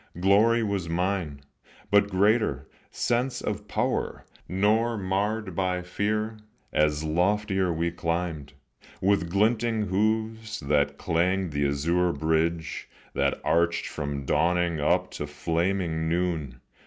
Glory was mine, but greater, sense of power, Nor marred by fear, as loftier we climbed, With glinting hoofs, that clanged the azure bridge That arched from dawning up to flaming noon.